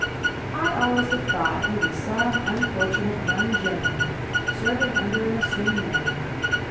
I always have thought he was some unfortunate young gentleman, serving under an assumed name.